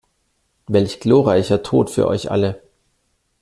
Welch glorreicher Tod für euch alle!